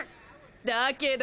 だけど？